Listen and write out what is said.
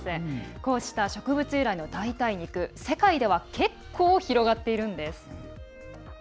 こうした植物由来の代替肉世界では結構広がっているんです。